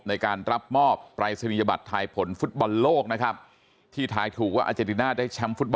ในการรับมอบปริศนียบัตรไทยผลฟุตบอลโลกนะครับ